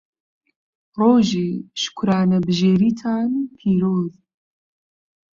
ڕۆژی شوکرانەبژێریتان پیرۆز.